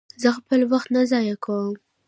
زه خپل وخت نه ضایع کوم.